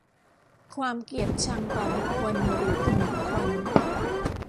ความเกลียดชังต่อบุคคลหรือกลุ่มบุคคล